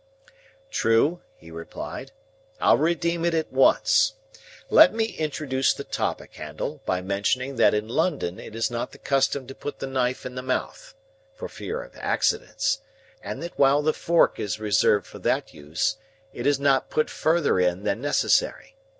"True," he replied. "I'll redeem it at once. Let me introduce the topic, Handel, by mentioning that in London it is not the custom to put the knife in the mouth,—for fear of accidents,—and that while the fork is reserved for that use, it is not put further in than necessary.